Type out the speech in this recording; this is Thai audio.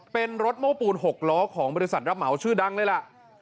เป็นรถโม้ปูน๖ล้อของบริษัทรับเหมาชื่อดังเลยล่ะ